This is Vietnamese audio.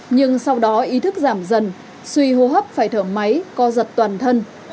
nhưng sau đó ý thức giảm dần suy hô hấp phải thở máy co giật toàn thân